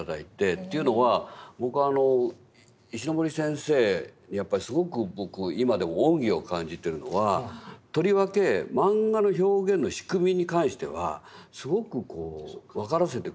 というのは僕は石森先生やっぱりすごく僕今でも恩義を感じてるのはとりわけマンガの表現の仕組みに関してはすごく分からせてくれた。